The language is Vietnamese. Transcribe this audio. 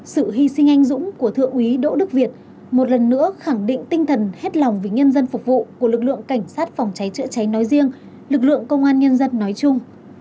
sự hy sinh anh dũng của thượng úy đỗ đức việt một lần nữa khẳng định tinh thần hết lòng vì nhân dân phục vụ của lực lượng cảnh sát phòng cháy chữa cháy nói riêng lực lượng công an nhân dân nói chung